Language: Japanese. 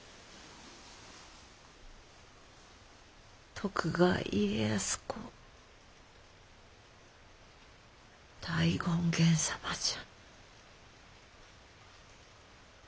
徳川家康公大権現様じゃ。